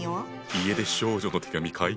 家出少女の手紙かい。